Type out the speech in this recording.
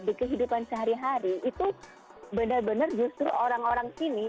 jadi kehidupan sehari hari itu benar benar justru orang orang sini